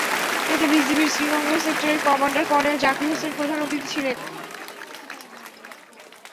এতে বিজিবির শ্রীমঙ্গল সেক্টরের কমান্ডার কর্নেল জাকির হোসেন প্রধান অতিথি ছিলেন।